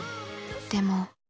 でも。